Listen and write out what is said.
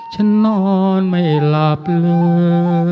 ฉันนอนไม่หลับเลย